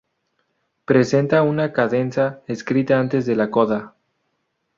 Presenta una cadenza escrita antes de la coda.